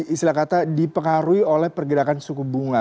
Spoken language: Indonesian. istilah kata dipengaruhi oleh pergerakan suku bunga